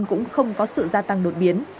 cũng không có sự gia tăng đột biến